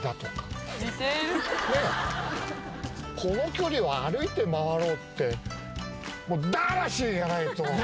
この距離は歩いて回ろうって「だましい！」がないと。